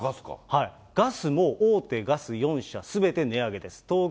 ガスも大手ガス４社すべて値上げです。